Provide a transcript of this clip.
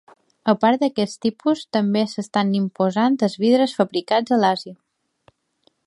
A part d'aquests tipus, també s'estan imposant els vidres fabricats a l'Àsia.